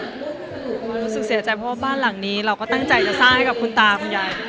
รู้สึกเสียใจเพราะว่าบ้านหลังนี้เราก็ตั้งใจจะสร้างให้กับคุณตาคุณยาย